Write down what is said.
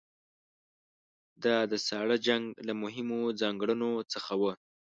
دا د ساړه جنګ له مهمو ځانګړنو څخه وه.